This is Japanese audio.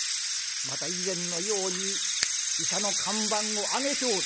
また以前のように医者の看板をあげておる。